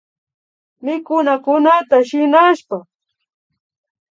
Mikunakunata shinashpa